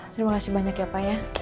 terima kasih banyak ya pak ya